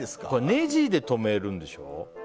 ねじで留めるんでしょ。